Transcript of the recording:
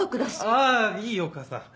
あいいよ母さん。